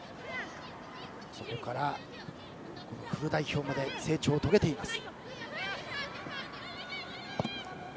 そこからフル代表まで成長を遂げています。